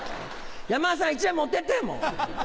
山田さん１枚持ってってもう。